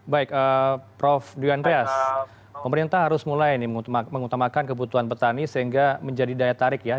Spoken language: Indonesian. baik prof andreas pemerintah harus mulai mengutamakan kebutuhan petani sehingga menjadi daya tarik ya